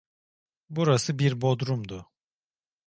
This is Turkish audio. Burası bir bodrumdu.